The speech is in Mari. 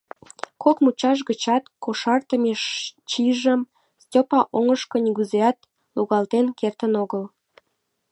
Кок мучаш гычат кошартыме чижым Стёпа оҥгышко нигузеат логалтен кертын огыл.